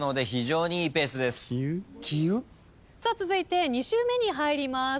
続いて２周目に入ります。